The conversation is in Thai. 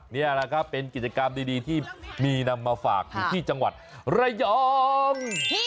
นี่แหละครับเป็นกิจกรรมดีที่มีนำมาฝากอยู่ที่จังหวัดระยอง